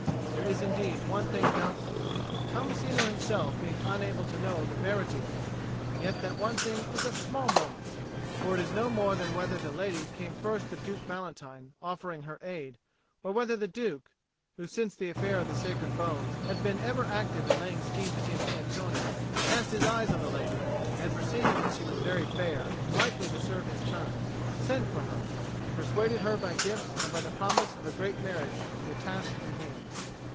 There is indeed one thing doubtful, Tommasino himself being unable to know the verity of it; yet that one thing is of small moment, for it is no more than whether the lady came first to Duke Valentine, offering her aid, or whether the Duke, who since the affair of the sacred bones had been ever active in laying schemes against Antonio, cast his eyes on the lady, and, perceiving that she was very fair and likely to serve his turn, sent for her, and persuaded her by gifts and by the promise of a great marriage to take the task in hand.